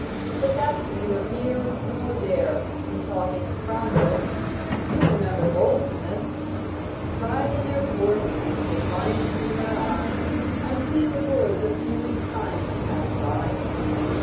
But that's neither here nor there, in talking of progress. You remember Goldsmith 'Pride in their port, defiance in their eye, I see the lords of human kind pass by.'